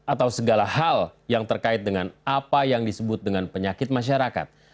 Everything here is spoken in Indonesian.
atau segala hal yang terkait dengan apa yang disebut dengan penyakit masyarakat